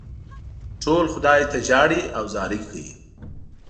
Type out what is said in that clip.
ټول خدای ته ژاړي او زارۍ کوي.